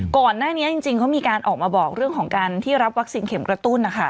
ก่อนหน้านี้จริงเขามีการออกมาบอกเรื่องของการที่รับวัคซีนเข็มกระตุ้น